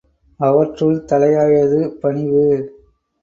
அவற்றுள் தலையாயது பணிவு.